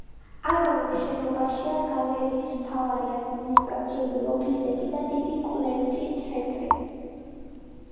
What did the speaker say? ამავე შენობაშია გალერეის მთავარი ადმინისტრაციული ოფისები და დიდი კვლევითი ცენტრი.